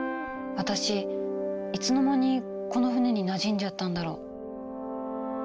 私いつの間にこの船になじんじゃったんだろう。